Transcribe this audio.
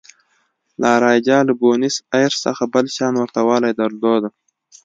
لا رایجا له بونیس ایرس څخه بل شان ورته والی درلود.